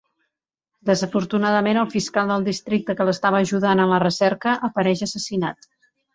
Desafortunadament el fiscal del districte que l'estava ajudant en la recerca apareix assassinat.